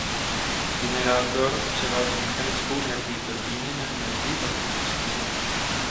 Generátor převádí mechanickou energii turbíny na energii elektrickou.